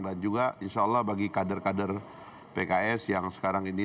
dan juga insya allah bagi kader kader pks yang sekarang ini